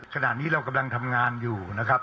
ขณะนี้เรากำลังทำงานอยู่นะครับ